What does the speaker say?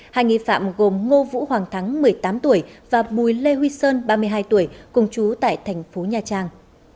hai nghi phạm gồm ngô vũ hoàng thắng một mươi tám tuổi và bùi lê huy sơn ba mươi hai tuổi cùng chú tại thành phố nha trang